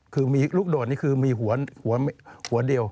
คือลูกโดดมีหัวเดียว